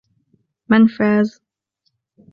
من فاز؟